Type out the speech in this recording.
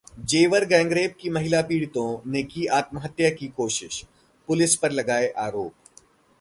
जेवर गैंगरेप की महिला पीड़ितों ने की आत्महत्या की कोशिश, पुलिस पर लगाए आरोप